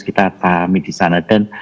kita pahami disana dan